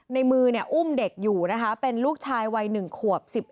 ในมืออุ้มเด็กอยู่นะคะเป็นลูกชายวัย๑ขวบ